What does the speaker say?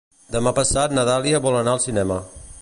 Demà passat na Dàlia vol anar al cinema.